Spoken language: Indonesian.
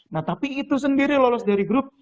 nah tapi itu sendiri lolos dari grup